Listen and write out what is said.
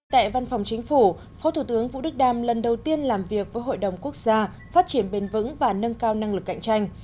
tại văn phòng chính phủ phó thủ tướng vũ đức đam lần đầu tiên làm việc với hội đồng quốc gia phát triển bền vững và nâng cao năng lực cạnh tranh